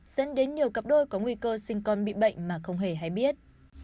dẫn đến nhiều cặp đôi có nguy cơ sinh con bị bệnh mà không hề hay biết